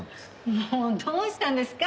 もうどうしたんですか？